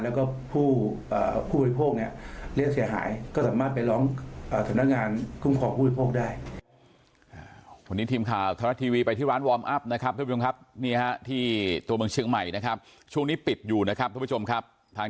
และผู้บริโภคเลือกเสียหาย